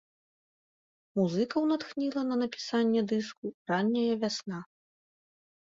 Музыкаў натхніла на напісанне дыску ранняя вясна.